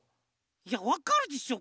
いやわかるでしょ。